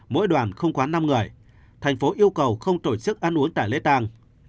mỗi đoàn không quá năm người thành phố yêu cầu không tổ chức ăn uống tại lễ tàng